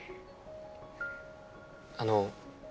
あの。